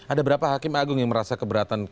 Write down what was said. ada berapa hakim agung yang merasa keberatan